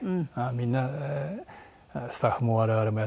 みんなスタッフも我々もやってるのでね。